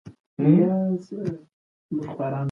ژوند د ستونزو له لارې انسان پخوي.